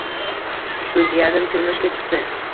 Shu jiyanim turmushga chiqdi.